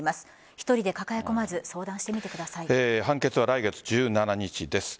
１人で抱え込まず判決は来月１７日です。